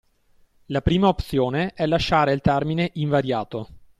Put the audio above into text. La prima opzione è lasciare il termine invariato.